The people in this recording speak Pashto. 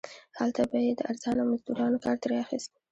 هلته به یې د ارزانه مزدورانو کار ترې اخیست.